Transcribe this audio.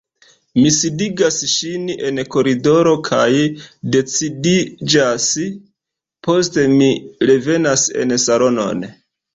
Mi sidigas ŝin en koridoro kaj decidiĝas, poste mi revenas en salonon.